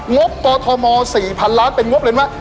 งบกรทม๔พันล้านเป็นงบเลยนะว่า